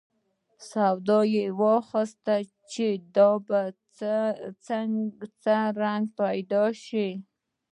سودا یې واخیست چې دا به څه رنګ پیدا شي.